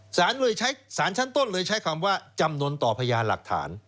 เลยใช้สารชั้นต้นเลยใช้คำว่าจำนวนต่อพยานหลักฐาน